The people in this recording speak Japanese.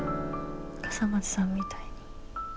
笠松さんみたいに。